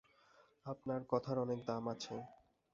আপনার কথার অনেক দাম আছে।